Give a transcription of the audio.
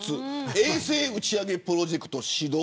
衛星打ち上げプロジェクト始動。